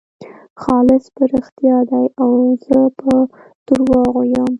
خالص په رښتیا دی او زه په درواغو یم.